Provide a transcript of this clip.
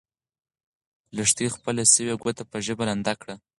لښتې خپله سوې ګوته په ژبه لنده کړه.